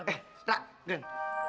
eh tak den